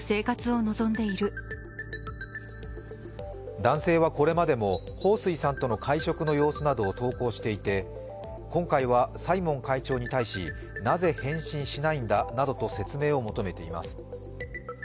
男性はこれまでも彭帥さんとの会食の様子などを投稿していて今回はサイモン会長に対し、なぜ返信しないんだ？などと説明を求めています。